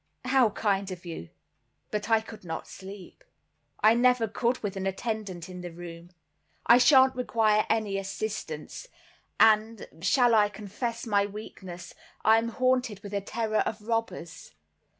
"How kind of you, but I could not sleep, I never could with an attendant in the room. I shan't require any assistance—and, shall I confess my weakness, I am haunted with a terror of robbers.